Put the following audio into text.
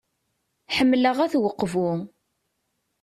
Ḥemmleɣ At Uqbu.